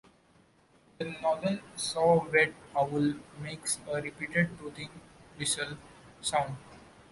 The northern saw-whet owl makes a repeated tooting whistle sound.